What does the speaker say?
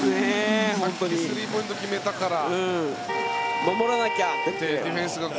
スリーポイント決めたから。